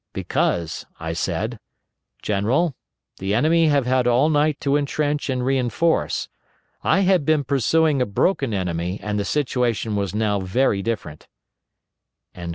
'Because,' I said, 'General, the enemy have had all night to intrench and reinforce. I had been pursuing a broken enemy and the situation was now very different.'"